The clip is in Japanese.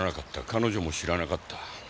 彼女も知らなかった。